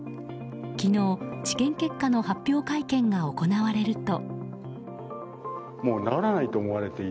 昨日、治験結果の発表会見が行われると。